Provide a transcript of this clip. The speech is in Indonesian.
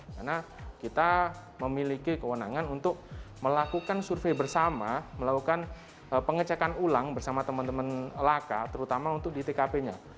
karena kita memiliki kewenangan untuk melakukan survei bersama melakukan pengecekan ulang bersama teman teman laka terutama untuk dtkp nya